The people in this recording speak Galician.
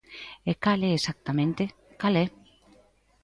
E cal é exactamente, ¿cal é?